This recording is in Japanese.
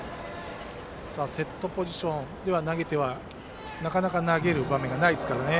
セットポジションではなかなか投げる場面がないですからね。